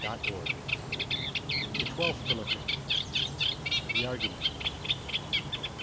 CALLED ALSO THE TWELFTH PHILIPPIC. THE ARGUMENT.